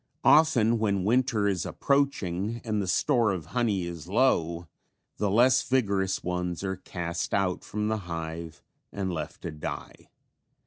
Often when winter is approaching and the store of honey is low the less vigorous ones are cast out from the hive and left to die.